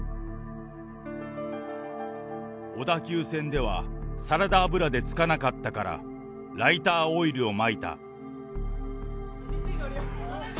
小田急線では、サラダ油でつかなかったら、ライターオイルをまいた。